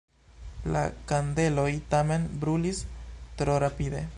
La kandeloj tamen brulis tro rapide.